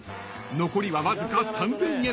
［残りはわずか３，０００円］